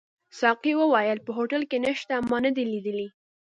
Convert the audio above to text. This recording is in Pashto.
ساقي وویل: په هوټل کي نشته، ما نه دي لیدلي.